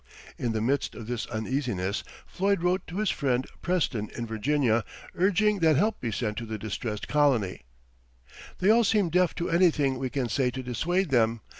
In the midst of this uneasiness Floyd wrote to his friend Preston, in Virginia, urging that help be sent to the distressed colony: "They all seem deaf to anything we can say to dissuade them....